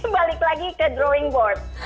balik lagi ke drawing board